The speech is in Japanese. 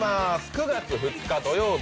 ９月２日土曜日